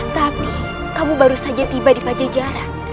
tapi kamu baru saja tiba di pajajaran